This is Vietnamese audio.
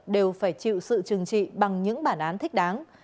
đều phải chịu sự trừng trị bằng những bản án thích đáng